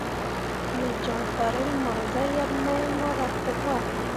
Me joŋ farel mor zah yeb mai mora pǝ wahe.